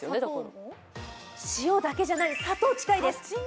塩だけじゃない、砂糖、近いです。